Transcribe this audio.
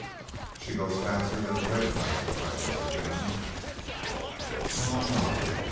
"She goes faster than the RED CLOUD," cried Mr. Damon. Tom nodded.